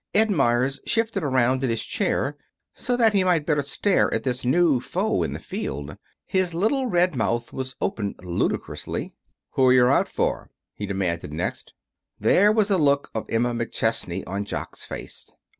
Ed Meyers shifted around in his chair so that he might better stare at this new foe in the field. His little red mouth was open ludicrously. "Who're you out for?" he demanded next. There was a look of Emma McChesney on Jock's face.